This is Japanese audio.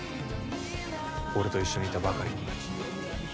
俺と一緒にいたばかりに。